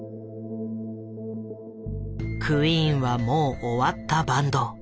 「クイーンはもう終わったバンド」。